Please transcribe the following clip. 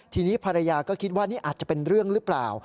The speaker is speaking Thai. ทีนี้ภรรยาก็คิดว่านี่อาจจะเป็นเรื่องหรือเปล่า